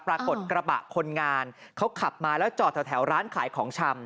ปรากฏกระบะคนงานเขาขับมาแล้วจอดแถวร้านขายของชำ